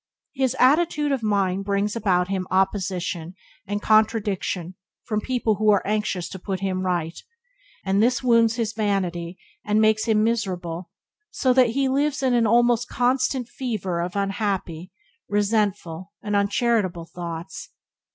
His attitude of mind brings about him opposition and contradiction from people who are anxious to put him right, and this wounds his vanity and makes him miserable, so that he lives in an almost continual fever of unhappy, resentful and uncharitable thoughts.